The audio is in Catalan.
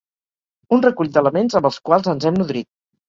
un recull d'elements amb els quals ens hem nodrit